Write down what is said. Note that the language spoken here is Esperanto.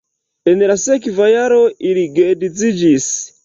En la sekva jaro ili geedziĝis.